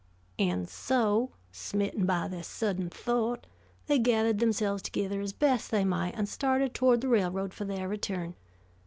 And so, smitten by this sudden thought, they gathered themselves together as best they might and started toward the railroad for their return.